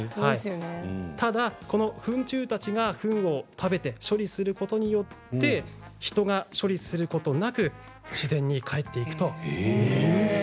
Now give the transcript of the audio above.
ただ糞虫たちがフンを食べて処理をすることによって人が処理をすることなく自然にかえっていくということなんです。